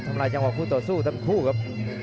ลายจังหวะคู่ต่อสู้ทั้งคู่ครับ